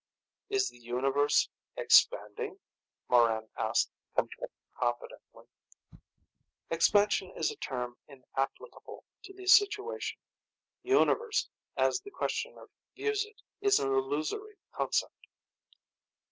"Is the universe expanding?" Morran asked confidently. "'Expansion' is a term inapplicable to the situation. Universe, as the Questioner views it, is an illusory concept."